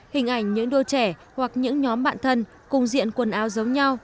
hình ảnh những đôi trẻ hoặc những nhóm bạn thân cùng diện quần áo giống nhau